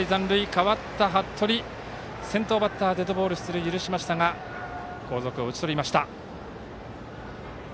代わった服部先頭バッターデッドボールの出塁を許したが後続を打ち取りました。